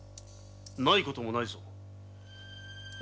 ないこともないぞ。